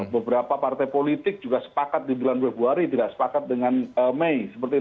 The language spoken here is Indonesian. beberapa partai politik juga sepakat di bulan februari tidak sepakat dengan mei